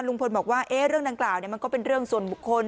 ลุงพลบอกว่าเรื่องดังกล่าวมันก็เป็นเรื่องส่วนบุคคล